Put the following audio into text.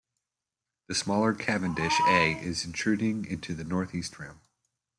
The smaller Cavendish A is intruding into the northeast rim.